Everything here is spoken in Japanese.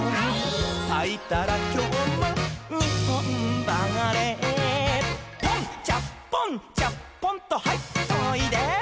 「さいたらきょうもにほんばれポン」「チャッポンチャッポンとはいっといで」